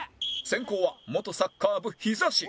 先攻は元サッカー部ヒザ神